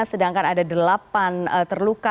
sedangkan ada delapan terluka